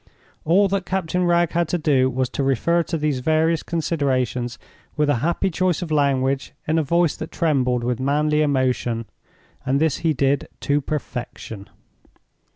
All that Captain Wragge had to do was to refer to these various considerations with a happy choice of language in a voice that trembled with manly emotion, and this he did to perfection.